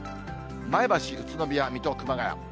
前橋、宇都宮、水戸、熊谷。